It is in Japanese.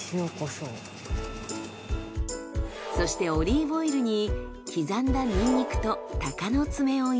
そしてオリーブオイルに刻んだニンニクと鷹の爪を入れ。